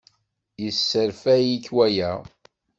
Yesserfay-ik waya?